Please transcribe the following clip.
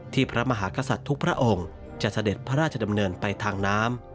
พระมหากษัตริย์ทุกพระองค์จะเสด็จพระราชดำเนินไปทางน้ำ